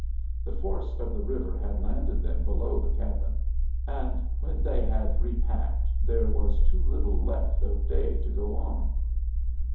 The force of the river had landed them below the cabin, and when they had repacked there was too little left of day to go on.